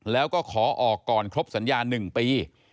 แล้วก็ขอออกก่อนครบสัญญา๑ปี